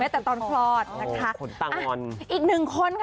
อ้าอีกหนึ่งคนค่ะ